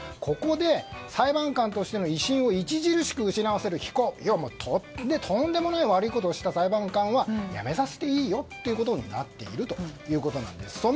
ここで、裁判官としての威信を著しく失わせる非行いわば、とんでもない悪いことをした裁判官は辞めさせていいよということになっているということなんです。